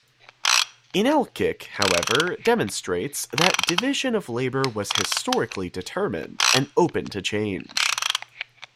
Inalcik however demonstrates that division of labour was historically determined and open to change.